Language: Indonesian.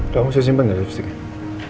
kamu masih simpen ga lipsticknya